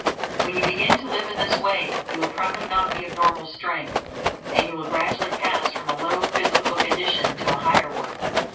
When you begin to live in this Way, you will probably not be of normal strength; and you will gradually pass from a low physical condition to a higher one.